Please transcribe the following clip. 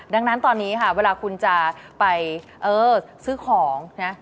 ดังนั้นตอนนี้ค่ะเวลาคุณจะไปซื้อของนะ